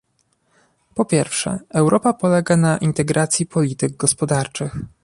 Po pierwsze, Europa polega na integracji polityk gospodarczych